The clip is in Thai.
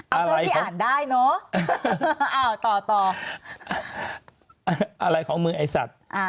เอาเท่าที่อ่านได้เนอะอ้าวต่อต่ออะไรของมึงไอ้สัตว์อ่า